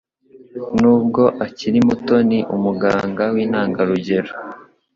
Nubwo akiri muto, ni umuganga wintangarugero